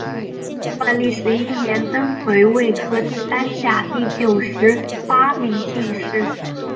万历十一年登癸未科第三甲第九十八名进士。